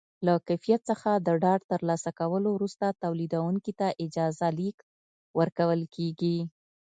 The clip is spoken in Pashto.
له کیفیت څخه د ډاډ ترلاسه کولو وروسته تولیدوونکي ته اجازه لیک ورکول کېږي.